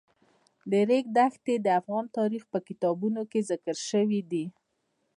د ریګ دښتې د افغان تاریخ په کتابونو کې ذکر شوی دي.